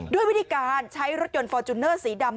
ด้วยวิธีการใช้รถยนต์ฟอร์จูเนอร์สีดำ